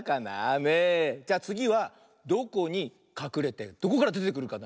じゃあつぎはどこにかくれてどこからでてくるかな。